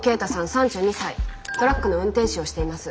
３２歳トラックの運転手をしています。